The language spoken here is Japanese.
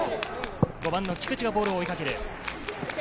５番の菊池がボールを追いかける。